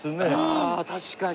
ああ確かに。